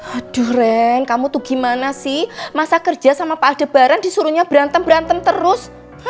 aduh reng kamu tuh gimana sih masa kerja sama pak adebaran disuruhnya berantem berantem terus